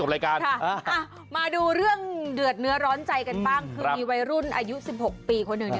ได้คืนพ่อเขาคิดได้หนึ่ง